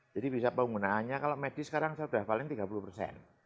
jadi bisa penggunaannya kalau medis sekarang saya sudah paling tiga puluh persen